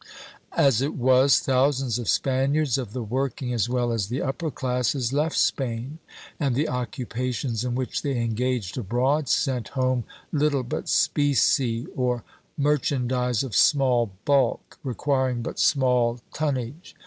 As it was, thousands of Spaniards, of the working as well as the upper classes, left Spain; and the occupations in which they engaged abroad sent home little but specie, or merchandise of small bulk, requiring but small tonnage.